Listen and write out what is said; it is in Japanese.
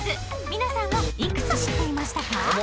皆さんはいくつ知っていましたか？